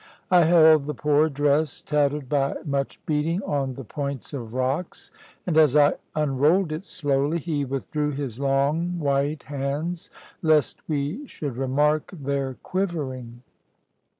I held the poor dress, tattered by much beating on the points of rocks; and as I unrolled it slowly, he withdrew his long white hands, lest we should remark their quivering.